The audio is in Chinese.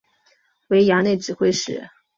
为衙内指挥使。